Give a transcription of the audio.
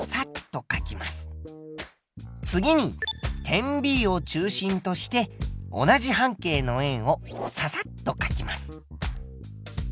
次に点Ｂを中心として同じ半径の円をササッとかきます。